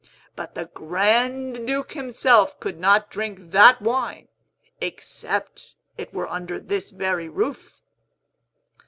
But the grand duke himself could not drink that wine, except it were under this very roof!"